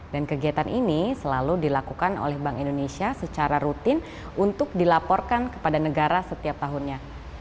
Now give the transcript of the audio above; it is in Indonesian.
dan kegiatan ini selalu dilakukan oleh bank indonesia secara rutin untuk dilaporkan kepada negara setiap tahunnya